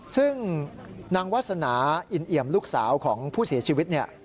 ซึ่งนางวาสนาอินเอี่ยมลูกสาวของผู้เสียชีวิตเนี่ย